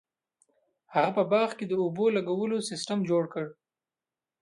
هغه په باغ کې د اوبو لګولو سیستم جوړ کړ.